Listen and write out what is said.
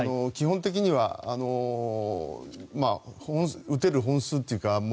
基本的には打てる本数というか